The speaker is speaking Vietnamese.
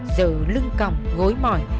giờ lưng còng ngối mỏi